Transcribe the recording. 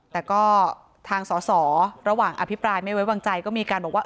แต่ก็ทางสอสอระหว่างอภิปรายไม่ไว้วางใจก็มีการบอกว่า